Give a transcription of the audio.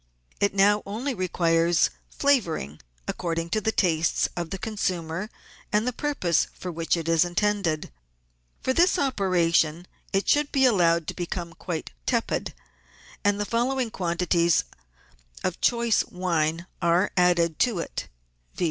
It now only requires flavouring according to the tastes of the consumer and the purpose for which it is intended. For this operation it should be allowed to become quite tepid, and the following quan tities of choice wine are added to it, viz.